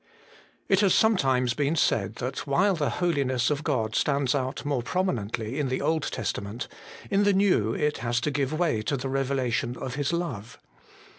IT has sometimes been said, that while the Holiness of God stands out more prominently in the Old Testament, in the New it has to give way to the revelation of His love.